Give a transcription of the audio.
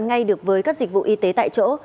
ngay được với các dịch vụ y tế tại chỗ